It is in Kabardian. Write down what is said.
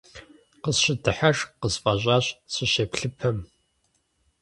Къысщыдыхьэшх къысфӀэщӀащ, сыщеплъыпэм.